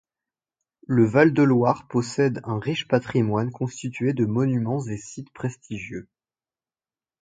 Le Val de Loire possède un riche patrimoine constitué de monuments et sites prestigieux.